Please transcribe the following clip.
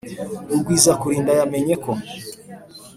Rugwizakurinda yamenye ko